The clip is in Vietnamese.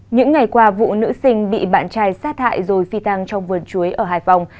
những ngày qua vụ nữ sinh bị bạn trai sát hại rồi phi tăng trong vườn chuối ở hải phòng